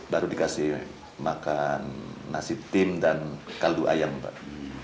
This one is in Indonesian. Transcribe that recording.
baru dikasih makan nasi tim dan kaldu ayam pak